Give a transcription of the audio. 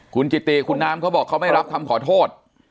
คุณกิติคุณน้ำเขาบอกเขาไม่รับคำขอโทษ